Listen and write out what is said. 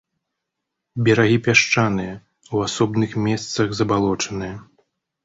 Берагі пясчаныя, у асобных месцах забалочаныя.